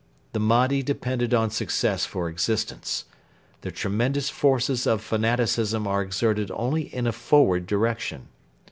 The Mahdi depended on success for existence. The tremendous forces of fanaticism are exerted only in a forward direction.